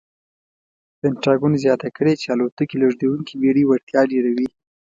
پنټاګون زیاته کړې چې الوتکې لېږدونکې بېړۍ وړتیا ډېروي.